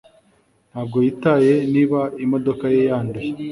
ntabwo yitaye niba imodoka ye yanduye